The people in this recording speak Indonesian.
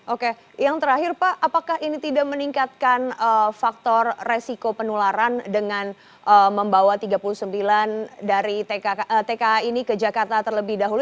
oke yang terakhir pak apakah ini tidak meningkatkan faktor resiko penularan dengan membawa tiga puluh sembilan dari tka ini ke jakarta terlebih dahulu